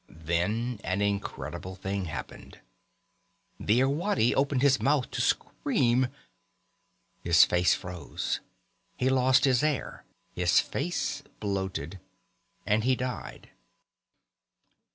Then an incredible thing happened. The Irwadi opened his mouth to scream. His face froze. He lost his air. His face bloated. And he died.